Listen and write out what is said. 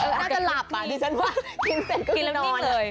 ถ้าจะหลับอาทิตย์ฉันว่ากินเสร็จก็คือนอน